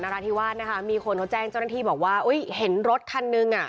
ปุ๊บมีคนแจ้งเจ้าหน้าที่บอกว่าเห็นรถคันนึงอะ